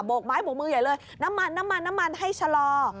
กไม้โบกมือใหญ่เลยน้ำมันน้ำมันน้ำมันให้ชะลอ